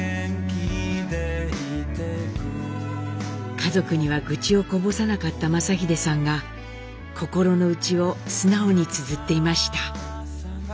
家族には愚痴をこぼさなかった正英さんが心の内を素直につづっていました。